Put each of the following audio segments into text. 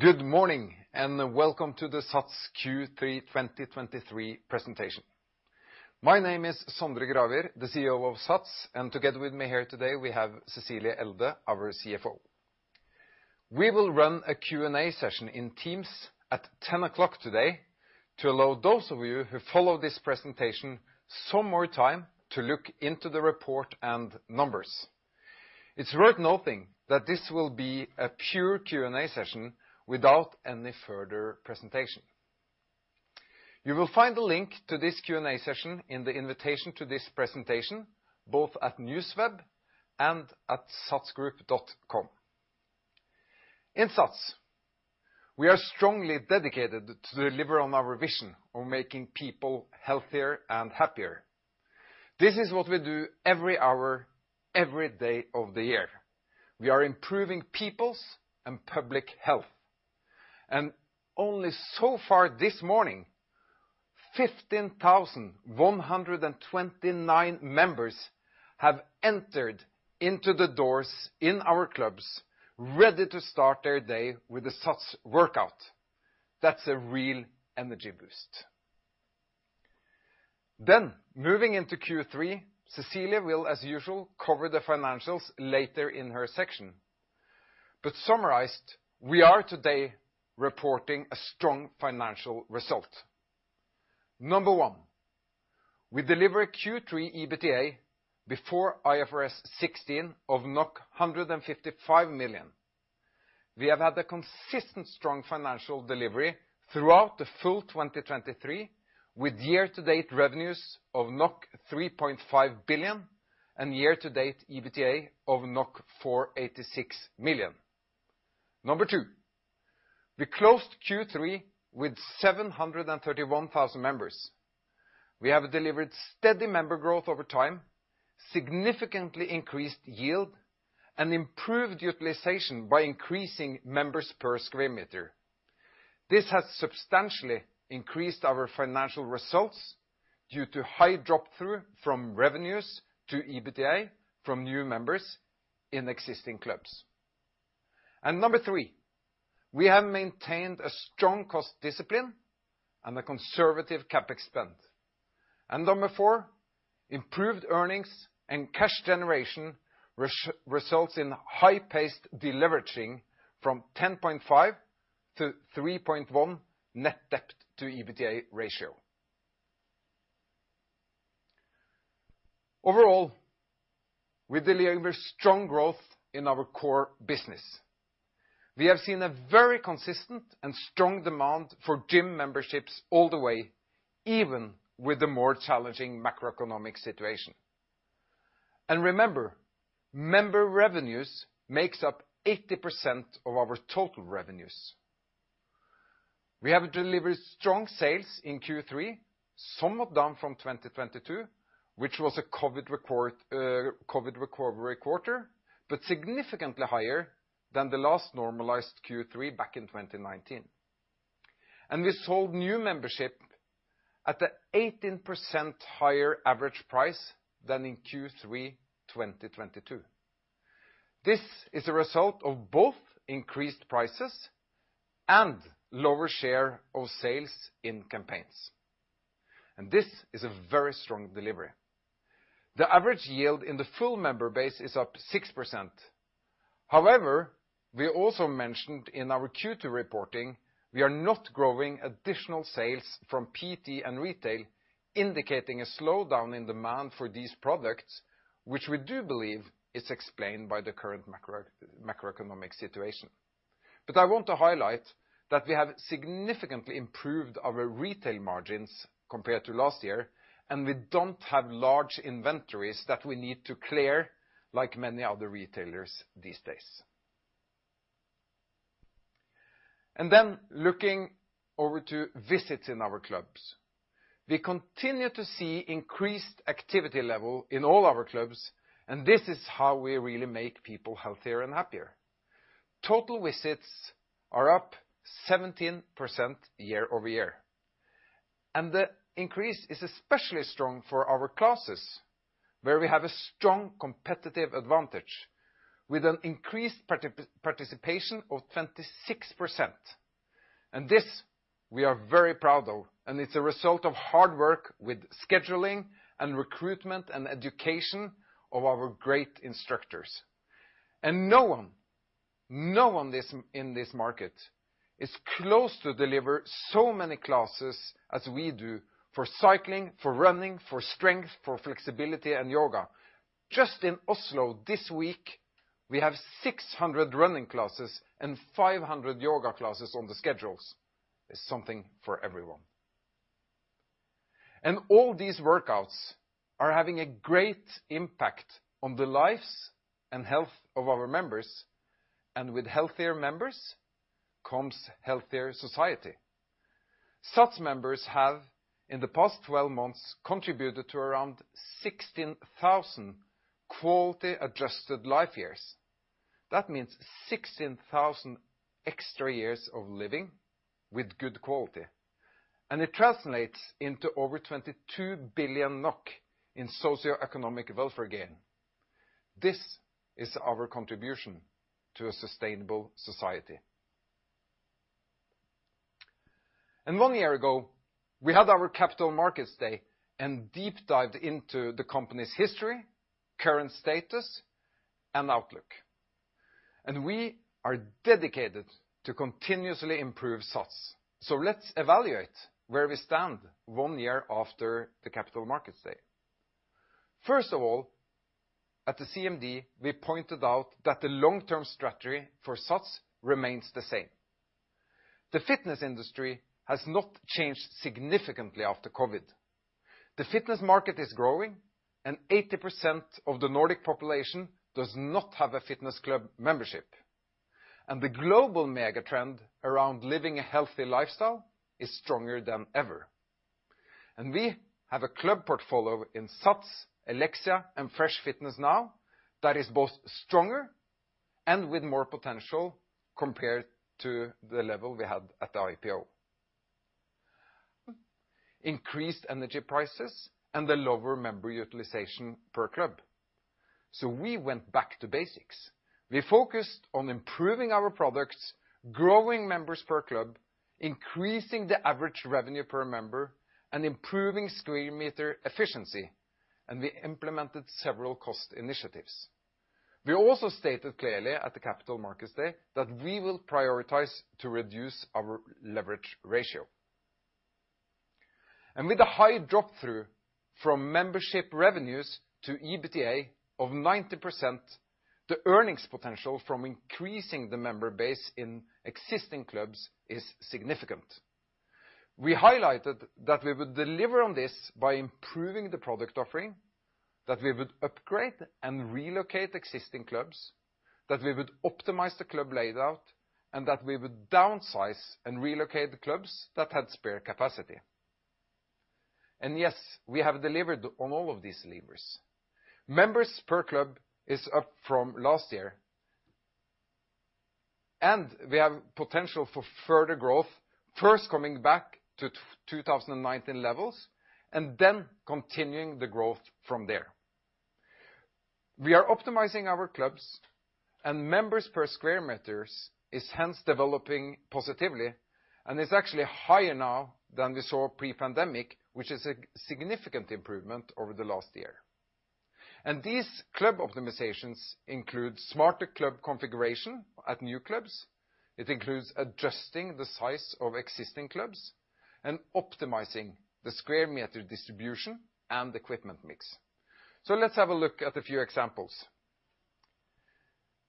Good morning, and welcome to the SATS Q3 2023 presentation. My name is Sondre Gravir, the CEO of SATS, and together with me here today, we have Cecilie Elde, our CFO. We will run a Q&A session in Teams at 10:00 A.M. today to allow those of you who follow this presentation some more time to look into the report and numbers. It's worth noting that this will be a pure Q&A session without any further presentation. You will find the link to this Q&A session in the invitation to this presentation, both at NewsWeb and at satsgroup.com. In SATS, we are strongly dedicated to deliver on our vision of making people healthier and happier. This is what we do every hour, every day of the year. We are improving people's and public health, and only so far this morning, 15,129 members have entered into the doors in our clubs, ready to start their day with a SATS workout. That's a real energy boost! Then moving into Q3, Cecilie will, as usual, cover the financials later in her section. But summarized, we are today reporting a strong financial result. Number one, we deliver Q3 EBITDA before IFRS 16 of 155 million. We have had a consistent strong financial delivery throughout the full 2023, with year-to-date revenues of 3.5 billion and year-to-date EBITDA of 486 million. Number two, we closed Q3 with 731,000 members. We have delivered steady member growth over time, significantly increased yield and improved utilization by increasing members per square meter. This has substantially increased our financial results due to high drop-through from revenues to EBITDA from new members in existing clubs. And number three, we have maintained a strong cost discipline and a conservative CapEx spend. And number four, improved earnings and cash generation results in high-paced deleveraging from 10.5 to 3.1 net debt to EBITDA ratio. Overall, we deliver strong growth in our core business. We have seen a very consistent and strong demand for gym memberships all the way, even with the more challenging macroeconomic situation. And remember, member revenues makes up 80% of our total revenues. We have delivered strong sales in Q3, somewhat down from 2022, which was a COVID record, COVID recovery quarter, but significantly higher than the last normalized Q3 back in 2019. We sold new membership at an 18% higher average price than in Q3 2022. This is a result of both increased prices and lower share of sales in campaigns, and this is a very strong delivery. The average yield in the full member base is up 6%. However, we also mentioned in our Q2 reporting, we are not growing additional sales from PT and retail, indicating a slowdown in demand for these products, which we do believe is explained by the current macroeconomic situation. But I want to highlight that we have significantly improved our retail margins compared to last year, and we don't have large inventories that we need to clear, like many other retailers these days. Then looking over to visits in our clubs. We continue to see increased activity level in all our clubs, and this is how we really make people healthier and happier. Total visits are up 17% year-over-year, and the increase is especially strong for our classes, where we have a strong competitive advantage with an increased participation of 26%. And this we are very proud of, and it's a result of hard work with scheduling and recruitment and education of our great instructors. And no one, no one in this market is close to deliver so many classes as we do for cycling, for running, for strength, for flexibility and yoga. Just in Oslo this week, we have 600 running classes and 500 yoga classes on the schedules. There's something for everyone. All these workouts are having a great impact on the lives and health of our members, and with healthier members comes healthier society. SATS members have, in the past 12 months, contributed to around 16,000 quality-adjusted life years. That means 16,000 extra years of living with good quality and it translates into over 22 billion NOK in socioeconomic welfare gain. This is our contribution to a sustainable society. One year ago, we had our Capital Markets Day, and deep dived into the company's history, current status, and outlook, and we are dedicated to continuously improve SATS. Let's evaluate where we stand one year after the Capital Markets Day. First of all, at the CMD, we pointed out that the long-term strategy for SATS remains the same. The fitness industry has not changed significantly after COVID. The fitness market is growing, and 80% of the Nordic population does not have a fitness club membership, and the global mega trend around living a healthy lifestyle is stronger than ever. We have a club portfolio in SATS, ELIXIA, and Fresh Fitness now that is both stronger and with more potential compared to the level we had at the IPO. Increased energy prices and the lower member utilization per club, so we went back to basics. We focused on improving our products, growing members per club, increasing the average revenue per member, and improving square meter efficiency, and we implemented several cost initiatives. We also stated clearly at the Capital Markets Day that we will prioritize to reduce our leverage ratio. With a high drop-through from membership revenues to EBITDA of 90%, the earnings potential from increasing the member base in existing clubs is significant. We highlighted that we would deliver on this by improving the product offering, that we would upgrade and relocate existing clubs, that we would optimize the club layout, and that we would downsize and relocate the clubs that had spare capacity. And yes, we have delivered on all of these levers. Members per club is up from last year, and we have potential for further growth, first coming back to 2019 levels, and then continuing the growth from there. We are optimizing our clubs, and members per square meters is hence developing positively, and is actually higher now than we saw pre-pandemic, which is a significant improvement over the last year. And these club optimizations include smarter club configuration at new clubs, it includes adjusting the size of existing clubs, and optimizing the square meter distribution and equipment mix/ So let's have a look at a few examples.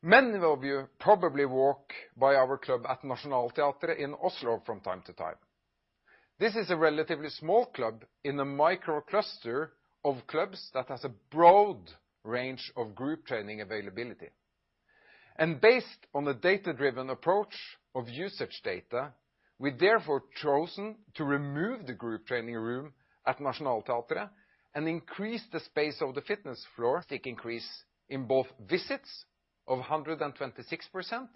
Many of you probably walk by our club at Nationaltheatret in Oslo from time to time. This is a relatively small club in a micro-cluster of clubs that has a broad range of group training availability. And based on the data-driven approach of usage data, we therefore chosen to remove the group training room at Nationaltheatret, and increase the space of the fitness floor. See increase in both visits of 126%,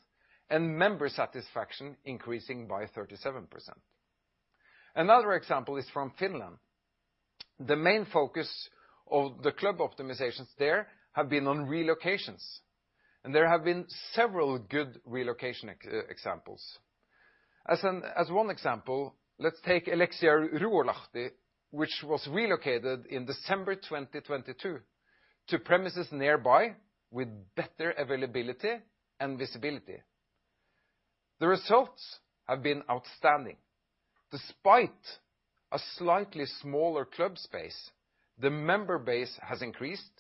and member satisfaction increasing by 37%. Another example is from Finland. The main focus of the club optimizations there have been on relocations, and there have been several good relocation examples. As one example, let's take ELIXIA Ruoholahti, which was relocated in December 2022, to premises nearby, with better availability and visibility. The results have been outstanding. Despite a slightly smaller club space, the member base has increased,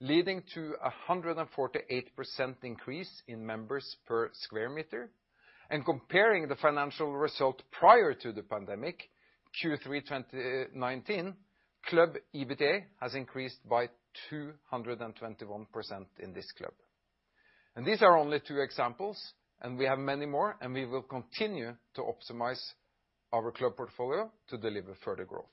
leading to a 148% increase in members per square meter. Comparing the financial result prior to the pandemic, Q3 2019, club EBITDA has increased by 221% in this club. These are only two examples, and we have many more, and we will continue to optimize our club portfolio to deliver further growth.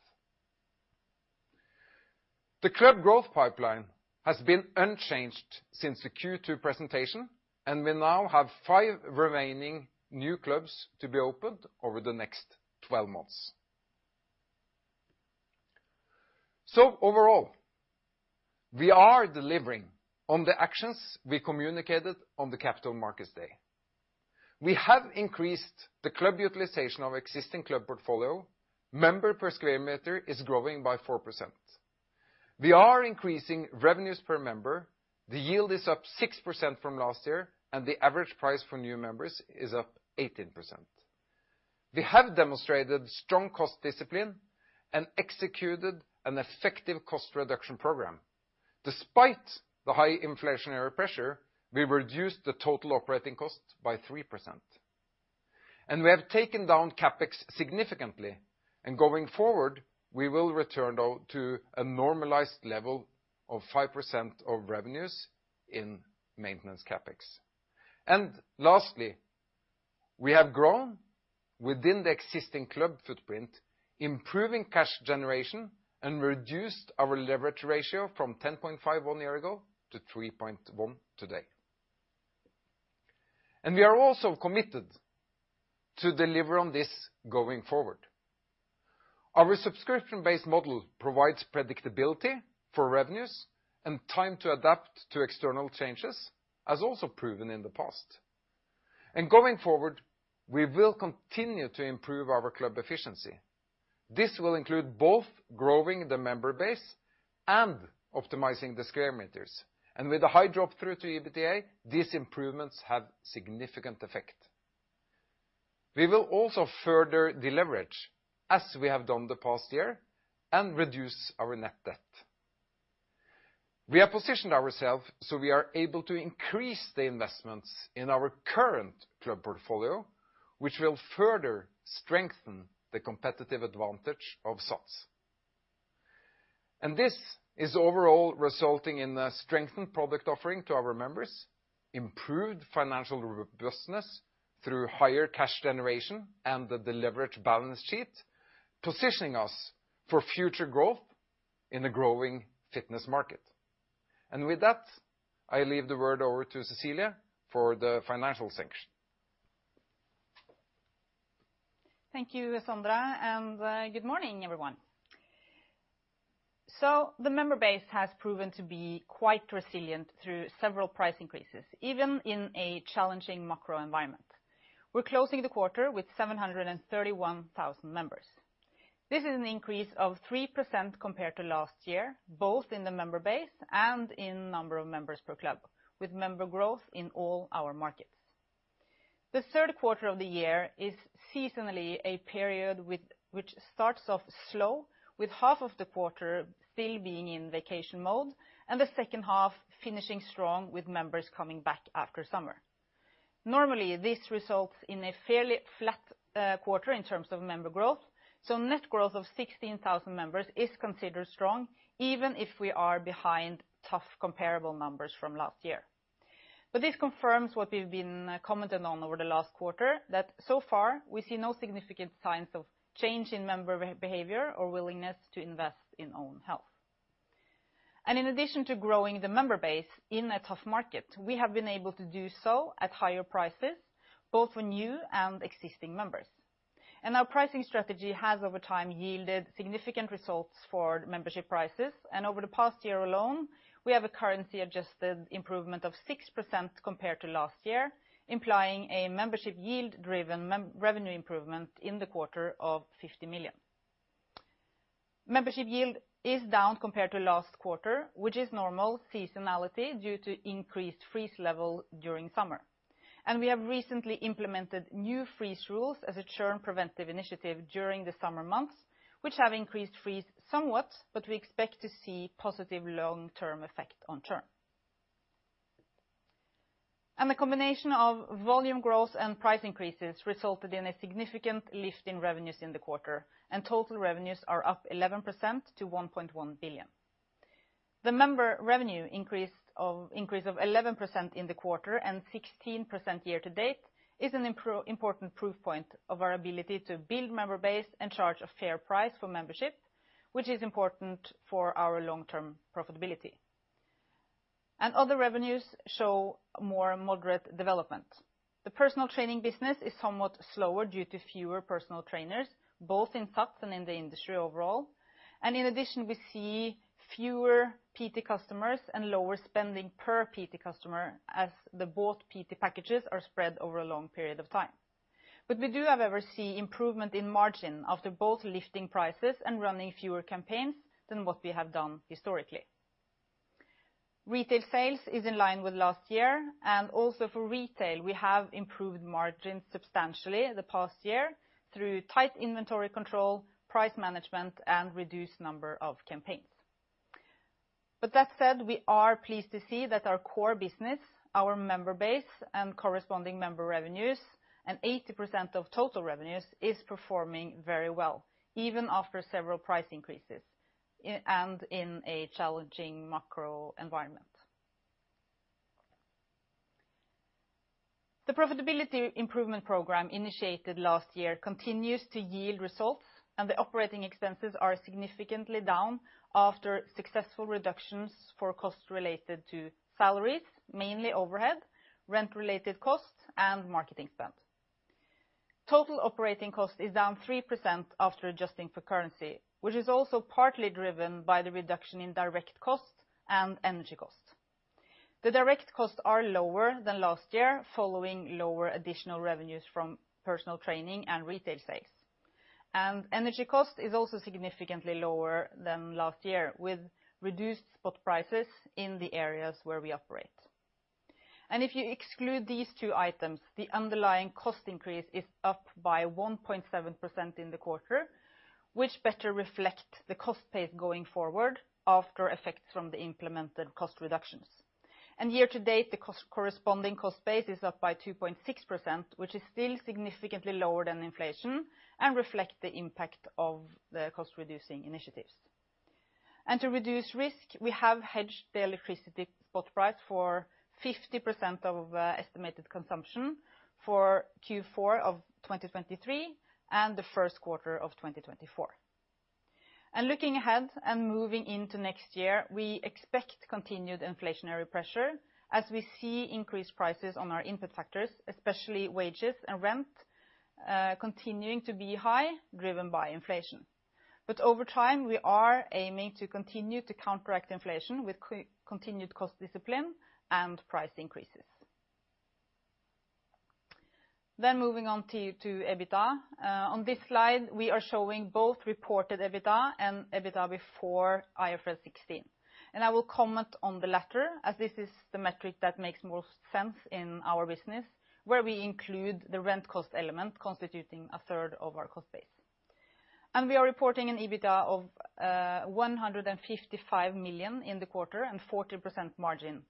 The club growth pipeline has been unchanged since the Q2 presentation, and we now have five remaining new clubs to be opened over the next 12 months. Overall, we are delivering on the actions we communicated on the Capital Markets Day. We have increased the club utilization of existing club portfolio. Members per square meter is growing by 4%. We are increasing revenues per member. The yield is up 6% from last year, and the average price for new members is up 18%. We have demonstrated strong cost discipline and executed an effective cost reduction program. Despite the high inflationary pressure, we reduced the total operating cost by 3%, and we have taken down CapEx significantly. Going forward, we will return, though, to a normalized level of 5% of revenues in maintenance CapEx. Lastly, we have grown within the existing club footprint, improving cash generation, and reduced our leverage ratio from 10.5 one year ago to 3.1 today. We are also committed to deliver on this going forward. Our subscription-based model provides predictability for revenues and time to adapt to external changes, as also proven in the past. Going forward, we will continue to improve our club efficiency. This will include both growing the member base and optimizing the square meters. And with a high drop through to EBITDA, these improvements have significant effect. We will also further deleverage, as we have done the past year, and reduce our net debt. We have positioned ourselves so we are able to increase the investments in our current club portfolio, which will further strengthen the competitive advantage of SATS. And this is overall resulting in a strengthened product offering to our members, improved financial robustness through higher cash generation and the deleverage balance sheet, positioning us for future growth in the growing fitness market. And with that, I leave the word over to Cecilie for the financial section. Thank you, Sondre, and good morning, everyone. So the member base has proven to be quite resilient through several price increases, even in a challenging macro environment. We're closing the quarter with 731,000 members. This is an increase of 3% compared to last year, both in the member base and in number of members per club, with member growth in all our markets. The third quarter of the year is seasonally a period which starts off slow, with half of the quarter still being in vacation mode, and the second half finishing strong with members coming back after summer. Normally, this results in a fairly flat quarter in terms of member growth, so net growth of 16,000 members is considered strong, even if we are behind tough comparable numbers from last year. But this confirms what we've been commented on over the last quarter, that so far, we see no significant signs of change in member behavior or willingness to invest in own health. In addition to growing the member base in a tough market, we have been able to do so at higher prices, both for new and existing members. Our pricing strategy has, over time, yielded significant results for membership prices, and over the past year alone, we have a currency-adjusted improvement of 6% compared to last year, implying a membership yield-driven revenue improvement in the quarter of 50 million. Membership yield is down compared to last quarter, which is normal seasonality due to increased freeze level during summer. We have recently implemented new freeze rules as a churn preventive initiative during the summer months, which have increased freeze somewhat, but we expect to see positive long-term effect on churn. The combination of volume growth and price increases resulted in a significant lift in revenues in the quarter, and total revenues are up 11% to 1.1 billion. The member revenue increase of 11% in the quarter and 16% year to date is an important proof point of our ability to build member base and charge a fair price for membership, which is important for our long-term profitability. Other revenues show more moderate development. The personal training business is somewhat slower due to fewer personal trainers, both in SATS and in the industry overall. And in addition, we see fewer PT customers and lower spending per PT customer, as both PT packages are spread over a long period of time. But we do, however, see improvement in margin after both lifting prices and running fewer campaigns than what we have done historically. Retail sales is in line with last year, and also for retail, we have improved margins substantially in the past year through tight inventory control, price management, and reduced number of campaigns. But that said, we are pleased to see that our core business, our member base and corresponding member revenues, and 80% of total revenues, is performing very well, even after several price increases and in a challenging macro environment. The profitability improvement program initiated last year continues to yield results, and the operating expenses are significantly down after successful reductions for costs related to salaries, mainly overhead, rent-related costs, and marketing spend. Total operating cost is down 3% after adjusting for currency, which is also partly driven by the reduction in direct costs and energy costs. The direct costs are lower than last year, following lower additional revenues from personal training and retail sales. Energy cost is also significantly lower than last year, with reduced spot prices in the areas where we operate. If you exclude these two items, the underlying cost increase is up by 1.7% in the quarter, which better reflect the cost pace going forward after effects from the implemented cost reductions. Year to date, the cost, corresponding cost base is up by 2.6%, which is still significantly lower than inflation and reflect the impact of the cost-reducing initiatives. To reduce risk, we have hedged the electricity spot price for 50% of estimated consumption for Q4 of 2023 and the first quarter of 2024. Looking ahead and moving into next year, we expect continued inflationary pressure as we see increased prices on our input factors, especially wages and rent continuing to be high, driven by inflation. But over time, we are aiming to continue to counteract inflation with continued cost discipline and price increases. Then moving on to EBITDA. On this slide, we are showing both reported EBITDA and EBITDA before IFRS 16. I will comment on the latter, as this is the metric that makes most sense in our business, where we include the rent cost element constituting a third of our cost base. We are reporting an EBITDA of 155 million in the quarter and 40% margin,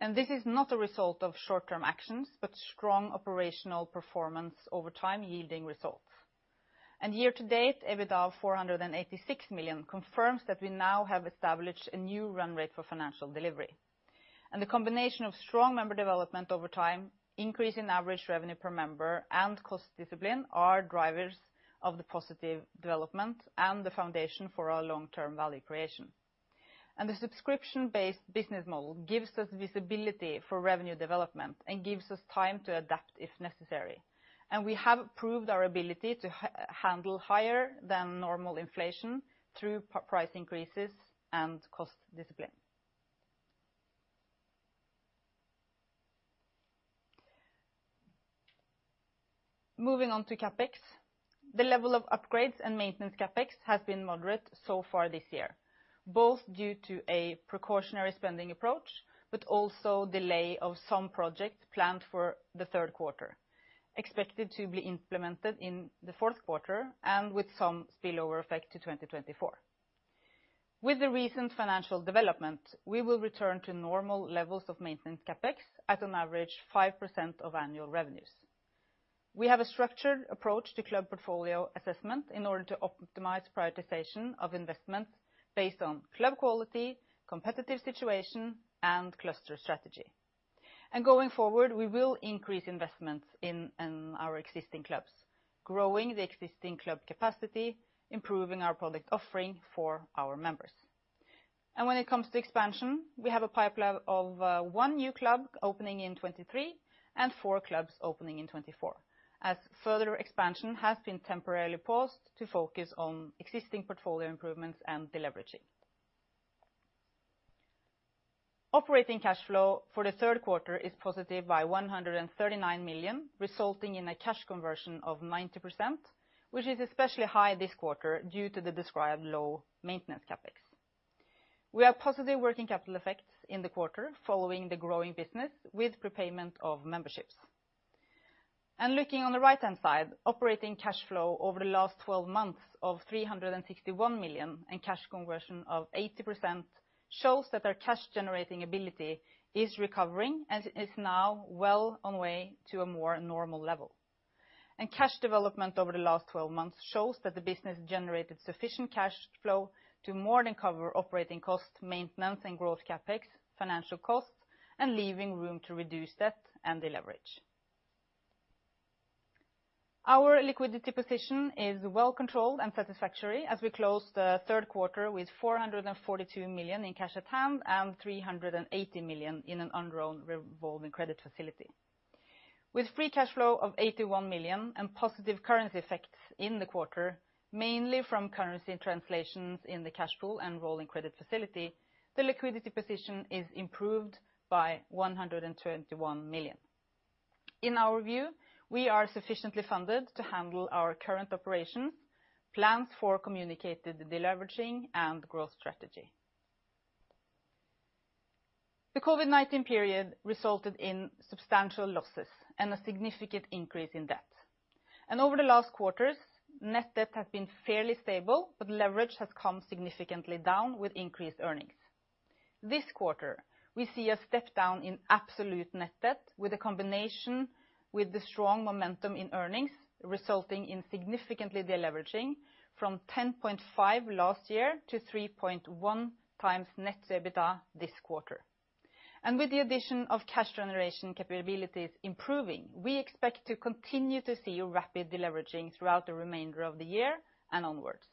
and this is not a result of short-term actions, but strong operational performance over time, yielding results. Year to date, EBITDA of 486 million confirms that we now have established a new run rate for financial delivery. The combination of strong member development over time, increase in average revenue per member, and cost discipline are drivers of the positive development and the foundation for our long-term value creation. The subscription-based business model gives us visibility for revenue development and gives us time to adapt, if necessary. We have proved our ability to handle higher than normal inflation through price increases and cost discipline. Moving on to CapEx. The level of upgrades and maintenance CapEx has been moderate so far this year, both due to a precautionary spending approach, but also delay of some projects planned for the third quarter, expected to be implemented in the fourth quarter, and with some spillover effect to 2024. With the recent financial development, we will return to normal levels of maintenance CapEx at an average 5% of annual revenues. We have a structured approach to club portfolio assessment in order to optimize prioritization of investments based on club quality, competitive situation, and cluster strategy. And going forward, we will increase investments in our existing clubs, growing the existing club capacity, improving our product offering for our members. When it comes to expansion, we have a pipeline of 1 new club opening in 2023 and four clubs opening in 2024, as further expansion has been temporarily paused to focus on existing portfolio improvements and deleveraging. Operating cash flow for the third quarter is positive by 139 million, resulting in a cash conversion of 90%, which is especially high this quarter due to the described low maintenance CapEx. We have positive working capital effects in the quarter following the growing business with prepayment of memberships. Looking on the right-hand side, operating cash flow over the last 12 months of 361 million and cash conversion of 80% shows that our cash-generating ability is recovering and is now well on way to a more normal level. Cash development over the last 12 months shows that the business generated sufficient cash flow to more than cover operating costs, maintenance, and growth CapEx, financial costs, and leaving room to reduce debt and deleverage. Our liquidity position is well controlled and satisfactory as we close the third quarter with 442 million in cash at hand and 380 million in an undrawn revolving credit facility. With free cash flow of 81 million and positive currency effects in the quarter, mainly from currency and translations in the cash pool and rolling credit facility, the liquidity position is improved by 121 million. In our view, we are sufficiently funded to handle our current operations, plans for communicated deleveraging, and growth strategy. The COVID-19 period resulted in substantial losses and a significant increase in debt. Over the last quarters, net debt has been fairly stable, but leverage has come significantly down with increased earnings. This quarter, we see a step down in absolute net debt with a combination with the strong momentum in earnings, resulting in significantly deleveraging from 10.5 last year to 3.1 times net EBITDA this quarter. With the addition of cash generation capabilities improving, we expect to continue to see rapid deleveraging throughout the remainder of the year and onwards.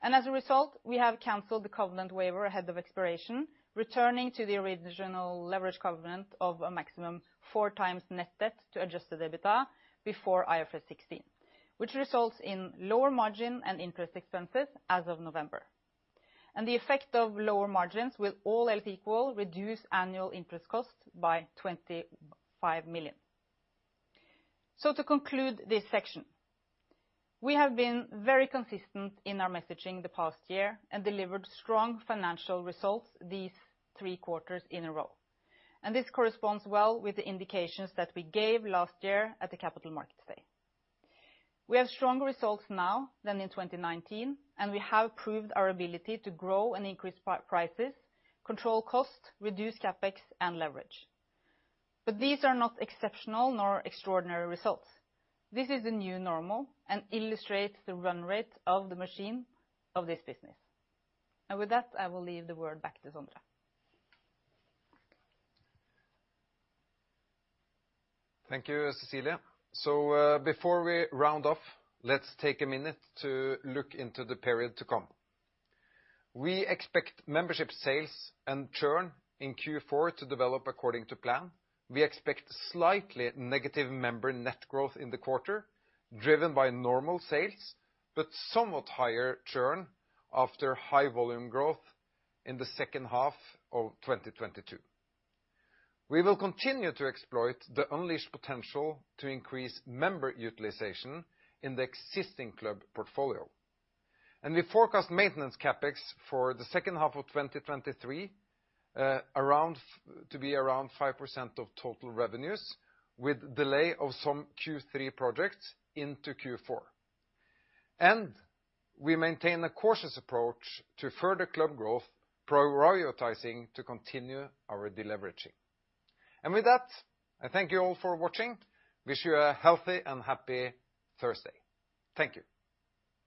As a result, we have canceled the covenant waiver ahead of expiration, returning to the original leverage covenant of a maximum four times net debt to adjusted EBITDA before IFRS 16, which results in lower margin and interest expenses as of November. The effect of lower margins will, all else equal, reduce annual interest costs by 25 million. To conclude this section, we have been very consistent in our messaging the past year and delivered strong financial results these three quarters in a row, and this corresponds well with the indications that we gave last year at the Capital Markets Day. We have stronger results now than in 2019, and we have proved our ability to grow and increase prices, control costs, reduce CapEx, and leverage. But these are not exceptional nor extraordinary results. This is the new normal and illustrates the run rate of the machine of this business. With that, I will leave the word back to Sondre. Thank you, Cecilie. So, before we round off, let's take a minute to look into the period to come. We expect membership sales and churn in Q4 to develop according to plan. We expect slightly negative member net growth in the quarter, driven by normal sales, but somewhat higher churn after high volume growth in the second half of 2022. We will continue to exploit the unleashed potential to increase member utilization in the existing club portfolio. We forecast maintenance CapEx for the second half of 2023, around, to be around 5% of total revenues, with delay of some Q3 projects into Q4. We maintain a cautious approach to further club growth, prioritizing to continue our deleveraging. With that, I thank you all for watching. Wish you a healthy and happy Thursday. Thank you.